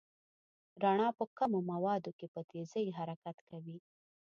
رڼا په کمو موادو کې په تېزۍ حرکت کوي.